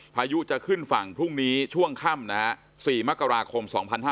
พายุจะขึ้นฝั่งพรุ่งนี้ช่วงค่ำนะฮะ๔มกราคม๒๕๕๙